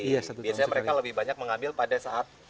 biasanya mereka lebih banyak mengambil pada saat